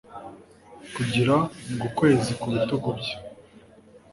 kugira ngo ukwezi ku bitugu bye